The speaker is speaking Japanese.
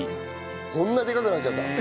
こんなでかくなっちゃった。